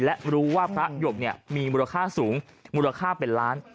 และรู้ว่าพระหยกมีมูลค่าสูงมูลค่าเป็นล้าน